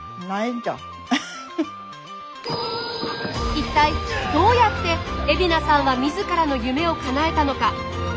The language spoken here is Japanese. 一体どうやって海老名さんは自らの夢をかなえたのか。